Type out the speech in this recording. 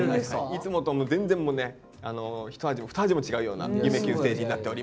いつもともう全然もうねひと味もふた味も違うような「夢キュンステージ」になっております。